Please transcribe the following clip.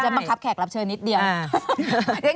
บังคับแขกรับเชิญนิดเดียว